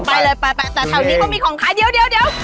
ไปเลยไปแต่แถวนี้ก็มีของค้าเดี๋ยวเดี๋ยว